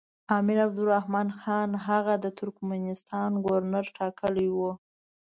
امیر عبدالرحمن خان هغه د ترکستان ګورنر ټاکلی وو.